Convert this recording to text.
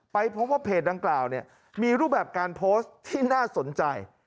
พบว่าเพจดังกล่าวเนี่ยมีรูปแบบการโพสต์ที่น่าสนใจ